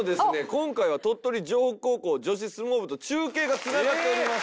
今回は鳥取城北高校女子相撲部と中継がつながっております。